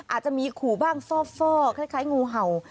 อาจจะมีขู่บ้างฟ่อคล้ายงูเห่า